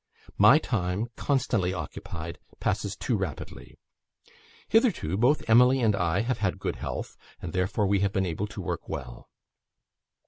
My time, constantly occupied, passes too rapidly. Hitherto both Emily and I have had good health, and therefore we have been able to work well.